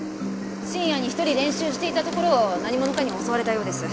深夜に一人練習していたところを何者かに襲われたようです。